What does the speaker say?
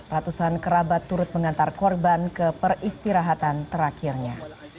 ratusan kerabat turut mengantar korban ke peristirahatan terakhirnya